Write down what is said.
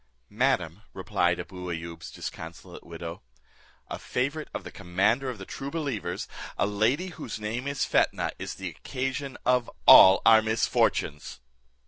"Madam," replied Abou Ayoub's disconsolate widow, "a favourite of the commander of the true believers, a lady whose name is Fetnah, is the occasion of all our misfortunes."